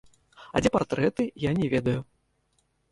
А дзе партрэты, я не ведаю.